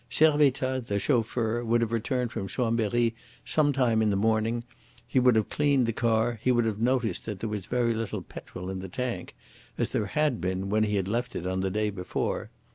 Servettaz, the chauffeur, would have returned from Chambery some time in the morning, he would have cleaned the car, he would have noticed that there was very little petrol in the tank, as there had been when he had left it on the day before.